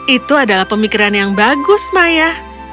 itu adalah pemikiran yang bagus maya